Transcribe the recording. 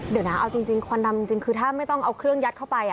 เดี๋ยวนะเอาจริงควันดำจริงคือถ้าไม่ต้องเอาเครื่องยัดเข้าไป